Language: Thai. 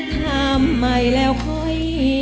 ถามมาแล้วค่อย